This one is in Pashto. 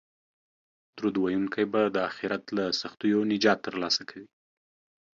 درود ویونکی به د اخرت له سختیو نجات ترلاسه کوي